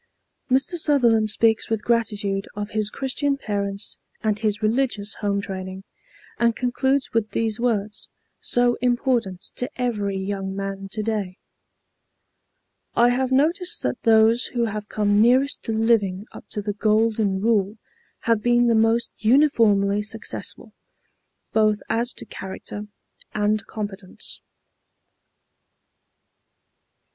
Mr. Sutherland speaks with gratitude of his Christian parents and his religious home training, and concludes with these words, so important to every young man to day: "I have noticed that those who have come nearest to living up to the Golden Rule have been the most uniformly successful, both as to character and competence."